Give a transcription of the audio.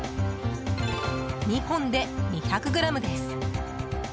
２本で２００ｇです。